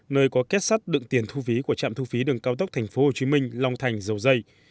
nơi có kết sắt đựng tiền thu phí của trạm thu phí đường cao tốc tp hcm long thành dầu dây